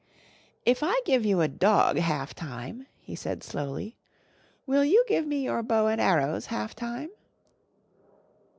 "If I give you a dog half time," he said slowly, "will you give me your bow and arrows half time?"